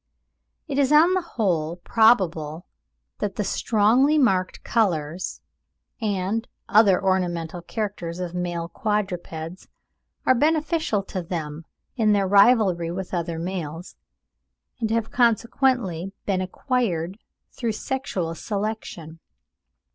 It is on the whole probable that the strongly marked colours and other ornamental characters of male quadrupeds are beneficial to them in their rivalry with other males, and have consequently been acquired through sexual selection.